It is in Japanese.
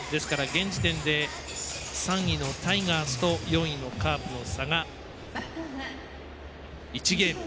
現時点で３位のタイガースと４位のカープの差が１ゲーム。